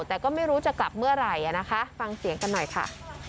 แต่ก็ไม่รู้จะกลับเมื่อไหร่นะคะฟังเสียงกันหน่อยค่ะ